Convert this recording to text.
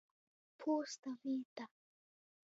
Pūsta vīta.